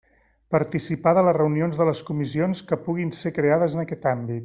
Participar de les reunions de les comissions que puguin ser creades en aquest àmbit.